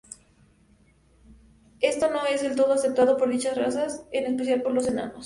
Esto no es del todo aceptado por dichas razas, en especial por los enanos.